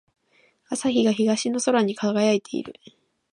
朝日が東の空に輝いている。